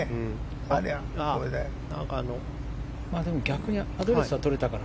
逆にアドレスはとれたから。